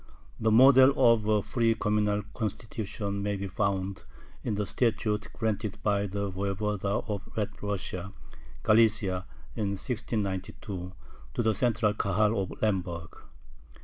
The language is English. The model of a free communal constitution may be found in the statute granted by the Voyevoda of Red Russia (Galicia) in 1692 to the central Kahal of Lemberg.